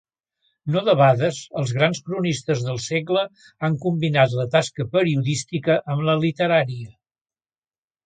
No debades, els grans cronistes del segle han combinat la tasca periodística amb la literària.